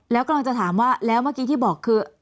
แล้วกำลังจะถามว่าแล้วเมื่อกี้ที่บอกคือ